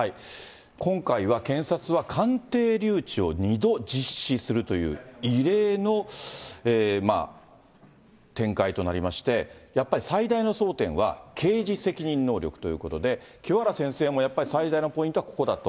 今回は検察は鑑定留置を２度実施するという異例の展開となりまして、やっぱり最大の争点は刑事責任能力ということで、清原先生もやっぱり最大のポイントはここだと。